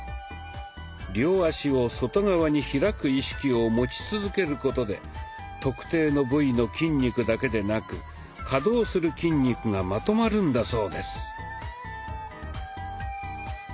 両足を外側に開く意識を持ち続けることで特定の部位の筋肉だけでなく稼働する筋肉がまとまるんだそうです。